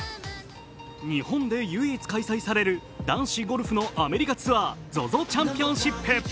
日本で唯一開催される男子ゴルフのアメリカツアー、ＺＯＺＯチャンピオンシップ。